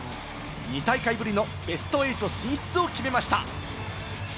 ２大会ぶりのベスト８進出を決めました。